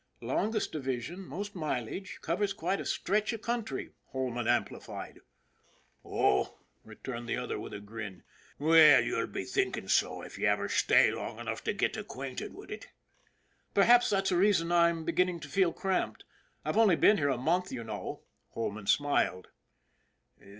" Longest division most mileage covers quite a stretch of country," Holman amplified. "Oh!" returned the other with a grin. "Well, you'll be thinkin' so if you ever sthay long enough to git acquainted wid ut." " Perhaps that's the reason I am beginning to feel cramped I've only been here a month, you know," Holman smiled.